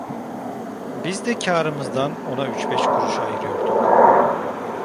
Biz de karımızdan ona üç beş kuruş ayırıyorduk.